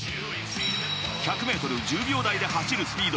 １００ｍ、１０秒台で走るスピード。